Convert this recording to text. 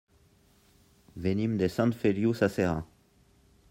Venim de Sant Feliu Sasserra.